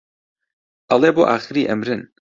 ئەڵێ بۆ ئاخری ئەمرن